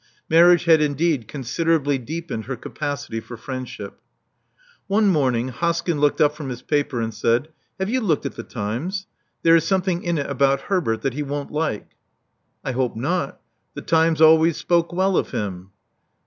Marriage had indeed considerably deepened her capacity for friendship. One morning, Hoskyn looked up from his paper and said, Have you looked at the Times, There is some thing in it about Herbert that he won't like." * 'I hope not. The Times always spoke well of him.